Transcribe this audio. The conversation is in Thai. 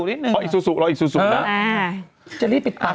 อีซูสุรออีซูสุจะรีบไปตาย